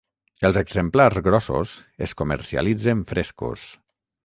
Els exemplars grossos es comercialitzen frescos.